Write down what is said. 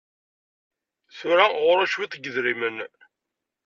Tura ɣur-i cwiṭ n yidrimen.